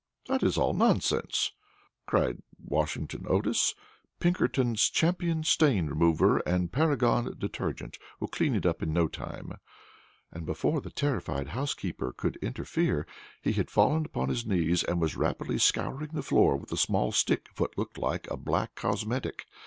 "That is all nonsense," cried Washington Otis; "Pinkerton's Champion Stain Remover and Paragon Detergent will clean it up in no time," and before the terrified housekeeper could interfere, he had fallen upon his knees, and was rapidly scouring the floor with a small stick of what looked like a black cosmetic.